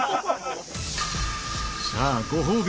さあご褒美